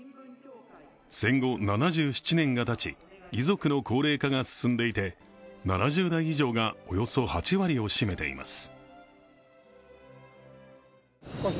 戦後７７年がたち、遺族の高齢化が進んでいて、７０代以上がおよそ８割を占めています。